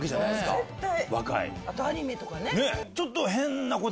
あとアニメとかね。